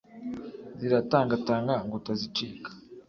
ziratangatanga ngo utazicika,